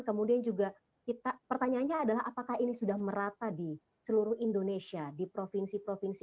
kemudian juga pertanyaannya adalah apakah ini sudah merata di seluruh indonesia di provinsi provinsi